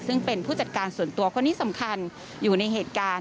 ซึ่งเป็นผู้จัดการส่วนตัวคนนี้สำคัญอยู่ในเหตุการณ์